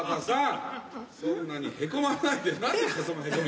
そんなにへこまないで。